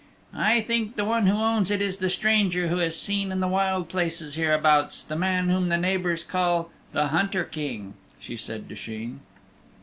"I think the one who owns it is the stranger who is seen in the wild places hereabouts the man whom the neighbors call the Hunter King," she said to Sheen.